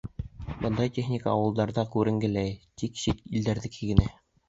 Бындай техника ауылдарҙа күренгеләй, тик сит илдекеләр генә.